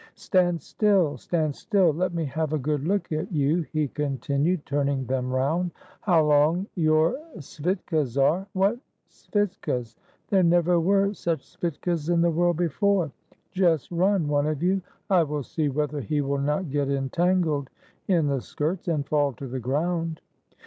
"Stand still, stand still! let me have a good look at you," he continued, turning them round, "How long 52 LIFE AT THE SETCH your svitkas are! What svitkasl There never were such svitkas in the world before. Just run, one of you! I will see whether he will not get entangled in the skirts, and fall to the ground."